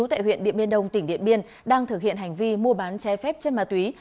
điện điện biên đông tỉnh điện biên đang thực hiện hành vi mua bán trái phép chất ma túy